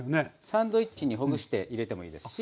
サンドイッチにほぐして入れてもいいですし。